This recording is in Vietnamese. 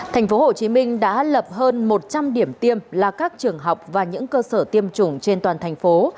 thành phố hồ chí minh đã lập hơn một trăm linh điểm tiêm là các trường học và những cơ sở tiêm chủng trên toàn thành phố